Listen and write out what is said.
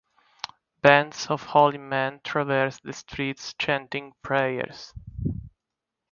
Bands of holy men traverse the streets chanting prayers.